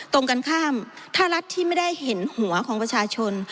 ตรงกันข้ามถ้ารัฐที่ไม่ได้เห็นหัวของประชาชน